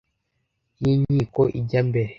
y'inkiko ijya mbere.